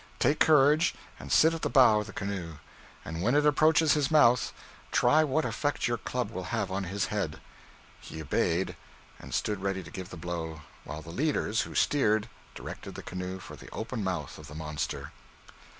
Take courage and sit at the bow of the canoe; and when it approaches his mouth, try what effect your club will have on his head.' He obeyed, and stood ready to give the blow; while the leader, who steered, directed the canoe for the open mouth of the monster.